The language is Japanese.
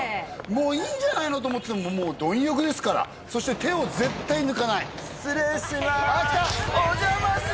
もういいんじゃないの？って思っててももう貪欲ですからそして手を絶対抜かない失礼します